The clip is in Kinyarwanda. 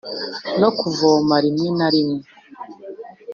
no kuvoma rimwe na rimwe.